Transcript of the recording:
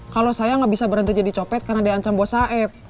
kalo saya gak bisa berhenti jadi copet karena dia ancam bos saeb